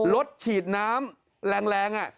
รถฉีดน้ำแรง